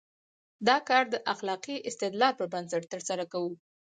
دا کار د اخلاقي استدلال پر بنسټ ترسره کوو.